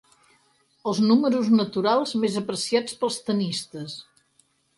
Els números naturals més apreciats pels tennistes.